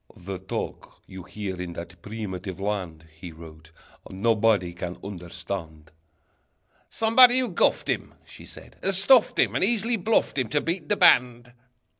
"The talk you hear in that primitive land," He wrote, "nobody can understand." "Somebody who guffed him," She said, "has stuffed him, And easily bluffed him To beat the band!"